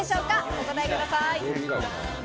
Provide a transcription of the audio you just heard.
お答えください。